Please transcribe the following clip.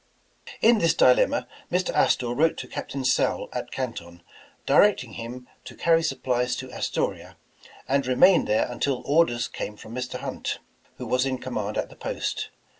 In this dilemma, Mr. Astor wrote to Captain Sowle at Canton, directing him to carry supplies to Astoria, and remain there until orders came from Mr. Hunt, who was in command at the post.